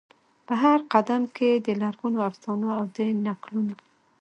په هرقدم کې د لرغونو افسانو او د نکلونو،